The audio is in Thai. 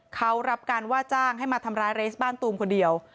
เขารับการว่าจ้างให้มาทำร้ายเรสบ้านตูมคนเดียว